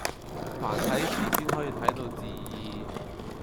繁體字先可以睇到字義